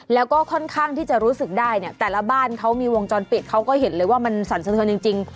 แล้วก็ค่อนข้างที่จะรู้สึกได้เนี่ยแต่ละบ้านเขามีวงจรปิดเขาก็เห็นเลยว่ามันสั่นสะเทือนจริง